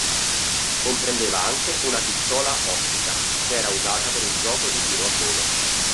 Comprendeva anche una pistola-ottica, che era usata per il gioco di tiro a volo.